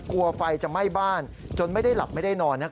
กลัวไฟจะไหม้บ้านจนไม่ได้หลับไม่ได้นอน